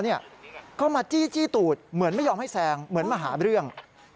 ก็มาจี้ตูดเหมือนไม่ยอมให้แซงเหมือนมาหาเรื่อง